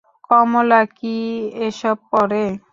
কমলা কি এসব পড়ে?